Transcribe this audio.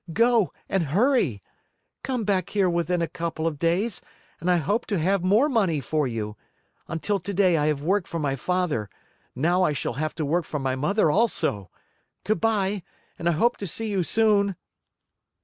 Go, and hurry. Come back here within a couple of days and I hope to have more money for you! Until today I have worked for my father. Now I shall have to work for my mother also. Good by, and I hope to see you soon."